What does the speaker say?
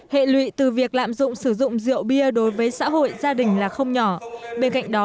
hệ lụy từ việc lạm dụng sử dụng rượu bia đối với xã hội gia đình là không nhỏ